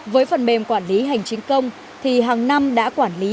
với phần mềm quản lý hành chính công thì hàng năm đã quản lý